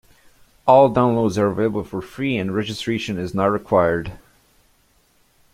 All downloads are available for free and registration is not required.